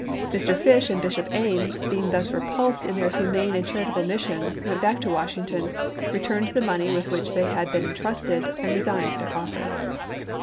Mr. Fish and Bishop Ames, being thus repulsed in their humane and charitable mission, went back to Washington, returned the money with which they had been intrusted, and resigned their office.